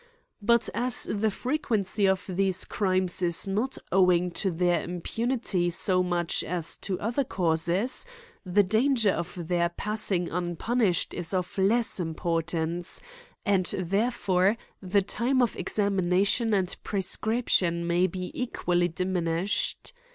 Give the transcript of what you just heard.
But as the frequency of these crimes is not owing to their impunity so much as to other causes, the danger of their pass ing unpunished is of less importance, and there fore the time of examination and prescription may be equally diminished.